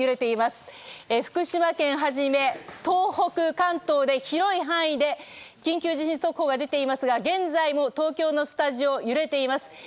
福島県初め、東北、関東の広い範囲で緊急地震速報が出ていますが現在も東京のスタジオ揺れています。